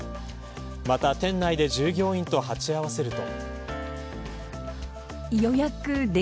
また店内で従業員と鉢合わせると。